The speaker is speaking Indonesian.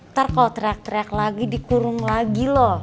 ntar kalau teriak teriak lagi dikurung lagi loh